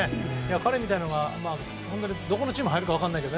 彼みたいなのがどこのチームに入るか分からないですが